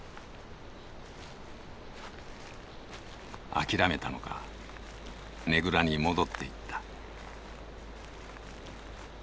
諦めたのかねぐらに戻っていった。